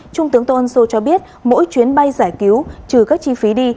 trung tướng tô ân sô cho biết mỗi chuyến bay giải cứu trừ các chi phí đi